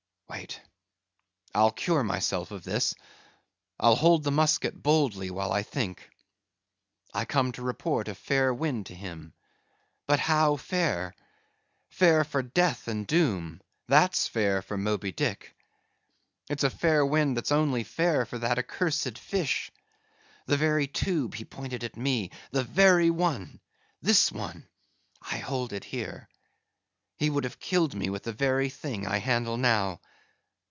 —wait. I'll cure myself of this. I'll hold the musket boldly while I think.—I come to report a fair wind to him. But how fair? Fair for death and doom,—that's fair for Moby Dick. It's a fair wind that's only fair for that accursed fish.—The very tube he pointed at me!—the very one; this one—I hold it here; he would have killed me with the very thing I handle now.